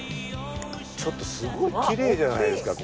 ちょっとすごいきれいじゃないですか。